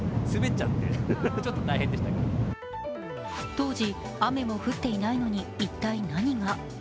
当時、雨も降っていないのに、一体何が？